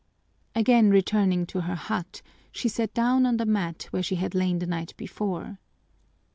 Again returning to her hut, she sat down on the mat where she had lain the night before.